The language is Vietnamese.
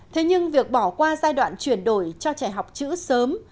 thế nhưng việc bỏ qua giai đoạn chuyển đổi cho trẻ học chữ sớm